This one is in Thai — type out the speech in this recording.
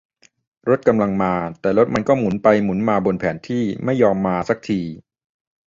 รถกำลังมา แต่รถมันก็หมุนไปหมุนมาบนแผนที่ ไม่ยอมมาสักที